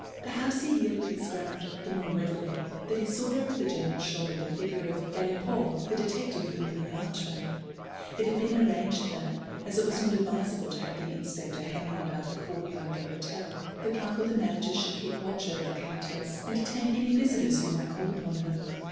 Perhaps he yielded his ground the more readily that he saw over the General's shoulder the figure of Galipaud the detective looming in the archway. It had been arranged that, as it was not advisable to have the inspector hanging about the courtyard of the hotel, the clerk or the manager should keep watch over the Countess and detain any visitors who might call upon her.